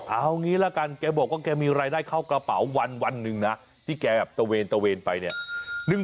เอางี้ละกันแกบอกว่าแกมีรายได้เข้ากระเป๋าวันหนึ่งนะที่แกแบบตะเวนตะเวนไปเนี่ย